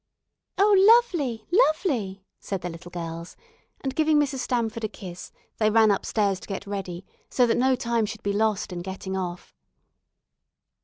"Oh, lovely! lovely!" said the little girls, and, giving Mrs. Stamford a kiss, they ran up stairs to get ready so that no time should be lost in getting off.